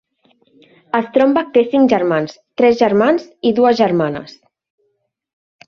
Stromback té cinc germans, tres germans i dues germanes.